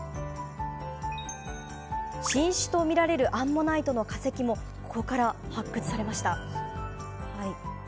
新種と見られるアンモナイトの化石も、ここから発掘されました。